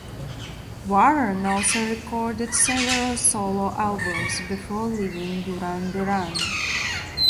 Warren also recorded several solo albums before leaving Duran Duran.